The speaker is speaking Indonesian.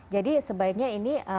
jadi sebaiknya ini